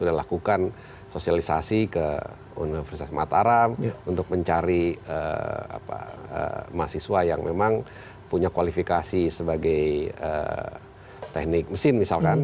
jadi kita lakukan sosialisasi ke universitas mataram untuk mencari mahasiswa yang memang punya kualifikasi sebagai teknik mesin misalkan